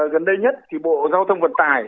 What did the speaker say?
gần đây nhất thì bộ giao thông vận tải